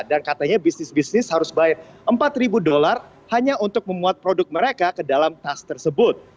dan katanya bisnis bisnis harus bayar empat ribu dolar hanya untuk memuat produk mereka ke dalam tas tersebut